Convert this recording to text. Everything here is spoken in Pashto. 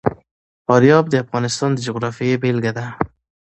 فاریاب د افغانستان د جغرافیې بېلګه ده.